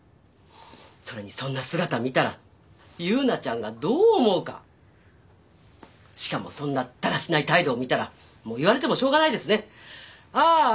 それにそんな姿見たら優奈ちゃんがどう思うかしかもそんなだらしない態度を見たら言われてもしょうがないですねあー